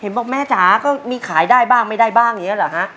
บอกแม่จ๋าก็มีขายได้บ้างไม่ได้บ้างอย่างนี้เหรอฮะ